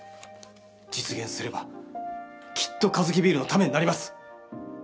実現すればきっとカヅキビールのためになります！